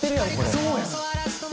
そうやん！